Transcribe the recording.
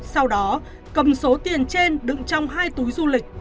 sau đó cầm số tiền trên đựng trong hai túi du lịch